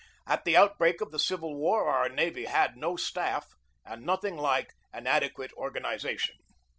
At the outbreak of the Civil War our navy had no staff, and nothing like an adequate organization.